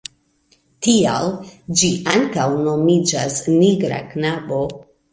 Tial ĝi ankaŭ nomiĝas „nigra knabo“.